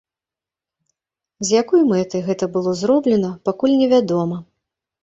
З якой мэтай гэта было зроблена, пакуль невядома.